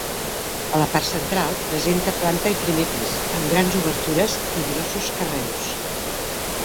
A la part central presenta planta i primer pis, amb grans obertures i grossos carreus.